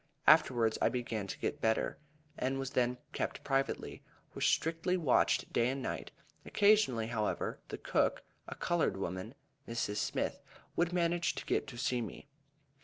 Afterwards I began to get better, and was then kept privately was strictly watched day and night. Occasionally, however, the cook, a colored woman (Mrs. Smith), would manage to get to see me.